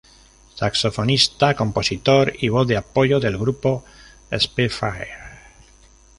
Saxofonista, compositor y voz de apoyo del grupo Spitfire.